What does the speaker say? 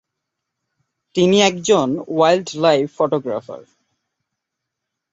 তিনি একজন wildlife photographer.